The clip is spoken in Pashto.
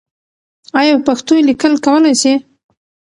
آیا په پښتو لیکل کولای سې؟